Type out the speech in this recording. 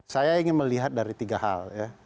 saya ingin melihat dari tiga hal ya